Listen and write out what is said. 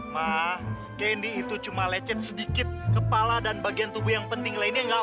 mah kendi itu cuma lecet sedikit kepala dan bagian tubuh yang penting lainnya enggak